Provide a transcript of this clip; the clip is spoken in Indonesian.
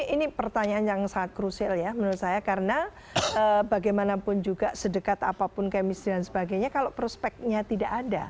ini pertanyaan yang sangat krusial ya menurut saya karena bagaimanapun juga sedekat apapun kemis dan sebagainya kalau prospeknya tidak ada